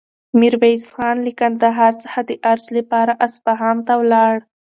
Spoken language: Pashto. میرویس خان له کندهار څخه د عرض لپاره اصفهان ته ولاړ.